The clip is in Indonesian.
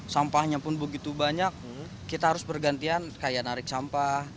sampahnya pun begitu banyak kita harus bergantian kayak narik sampah